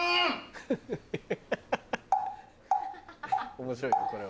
面白いぞこれは。